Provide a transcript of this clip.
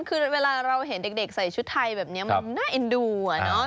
คือเวลาเราเห็นแต่เด็กใส่ชุดไทยแบบนี้มันน่าสนใจ